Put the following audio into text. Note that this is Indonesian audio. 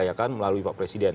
saya kan melalui pak presiden